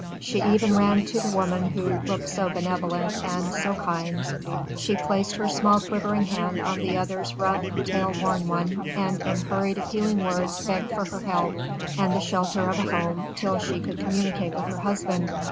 She even ran to the woman who looked so benevolent and so kind, she placed her small quivering hand on the other's rough toil worn one and in hurried, appealing words begged for her help and the shelter of a home till she could communicate with her husband.